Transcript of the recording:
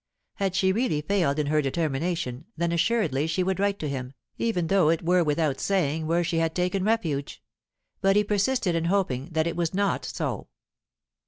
Had she really failed in her determination, then assuredly she would write to him, even though it were without saying where she had taken refuge. But he persisted in hoping that it was not so.